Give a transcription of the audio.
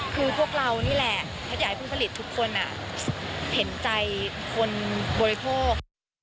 คือพวกเรานี่แหละแพทย์อยากให้ผู้ผลิตทุกคนเห็นใจคนบริโภค